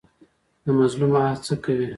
د مظلوم آه څه کوي؟